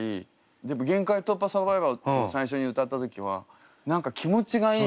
でも「限界突破×サバイバー」っていう最初に歌った時は何か気持ちがいい。